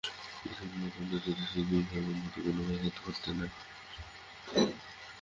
যতদিন মকদ্দমা চলিতেছিল, দুই ভাইয়ের বন্ধুত্বে কোনো ব্যাঘাত ঘটে নাই।